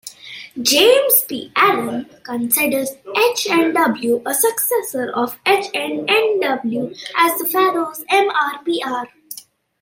James P. Allen considers "hnw" a successor of "hnnw" as the pharaoh's "m-r-pr".